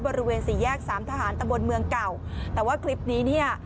บริเวณสี่แยกสามทหารตำบลเมืองเก่าแต่ว่าคลิปนี้เนี่ย